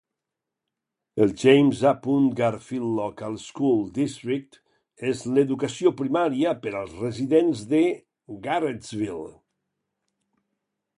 El James A. Garfield Local School District és l'educació primària per als residents de Garrettsville.